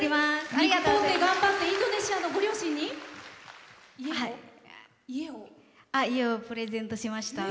日本で頑張ってインドネシアの両親に？家をプレゼントしました。